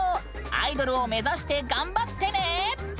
アイドルを目指して頑張ってね！